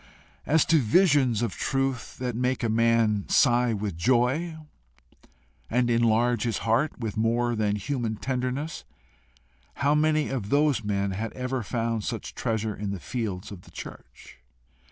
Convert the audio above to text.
As to visions of truth that make a man sigh with joy, and enlarge his heart with more than human tenderness how many of those men had ever found such treasure in the fields of the church?